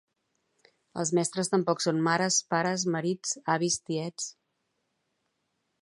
Els mestres tampoc són mares, pares, marits, avis, tiets.